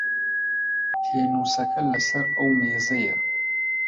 پێنووسەکە لە سەر ئەو مێزەیە.